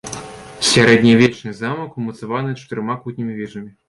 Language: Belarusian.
Сярэднявечны замак умацаваны чатырма кутнімі вежамі.